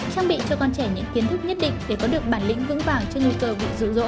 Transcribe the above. trang bị cho con trẻ những kiến thức nhất định để có được bản lĩnh vững vàng trước nguy cơ bị dụ dỗ